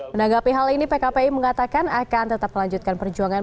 menanggapi hal ini pkpi mengatakan akan tetap melanjutkan perjuangan